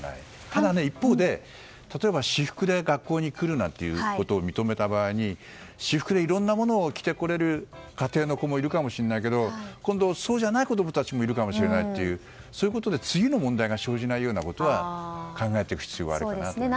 ただ、一方で例えば私服で学校に来ることを認めた場合に私服でいろんなものを着てこれる家庭の子もいるかもしれないけど今度、そうじゃない子供たちもいるかもしれないということで次の問題が生じさせないことを考える必要がありますね。